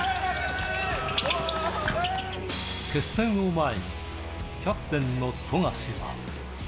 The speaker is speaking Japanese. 決戦を前に、キャプテンの富樫は。